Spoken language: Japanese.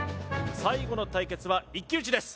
最後の対決は一騎打ちです